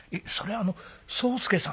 あの宗助さん」。